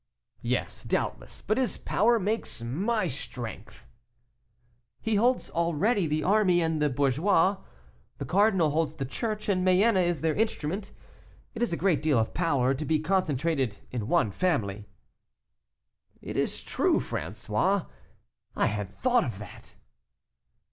"Yes, doubtless; but his power makes my strength." "He holds already the army and the bourgeois; the cardinal holds the Church, and Mayenne is their instrument; it is a great deal of power to be concentrated in one family." "It is true, François; I had thought of that."